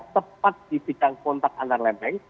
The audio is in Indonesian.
tepat di bidang kontak antar lempeng